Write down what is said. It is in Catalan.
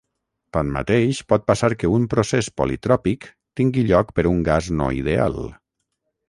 Tanmateix, pot passar que un procés politròpic tingui lloc per un gas no ideal.